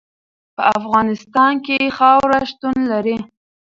په افغانستان کې خاوره شتون لري.